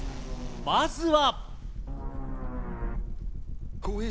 まずは。